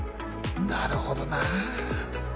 なるほどな。